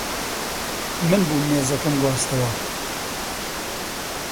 من بووم مێزەکەم گواستەوە.